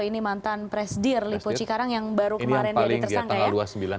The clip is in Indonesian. ini mantan presidir lipo cikarang yang baru kemarin jadi tersangka ya